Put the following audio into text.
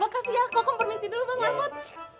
makasih ya koko mpermisi dulu bang mahmud